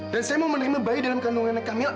dan saya mau menerima bayi dalam kandungan anak kamila